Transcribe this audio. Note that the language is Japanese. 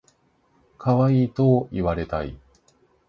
かわいいと言われたい